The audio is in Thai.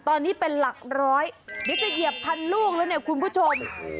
ตอนนี้เป็นหลักร้อยเดี๋ยวจะเหยียบพันลูกแล้วเนี่ยคุณผู้ชม